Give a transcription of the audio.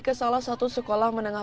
ke salah satu sekolah menengah